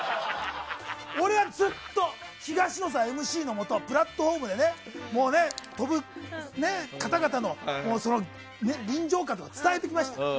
俺はずっと東野さんＭＣのもとプラットホームで飛ぶ方々のその臨場感とかを伝えてきましたよ。